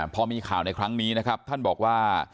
พอมีข่าวในครั้งนี้นะครับท่านบอกว่า